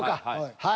はい。